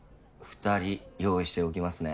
２人用意しておきますね。